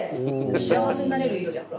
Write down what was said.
幸せになれる色じゃ。